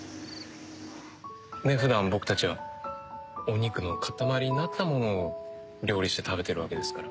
普段僕たちはお肉の塊になったものを料理して食べてるわけですから。